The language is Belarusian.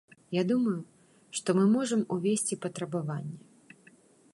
Я думаю, што мы можам увесці патрабаванне.